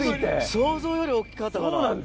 想像より大っきかったから。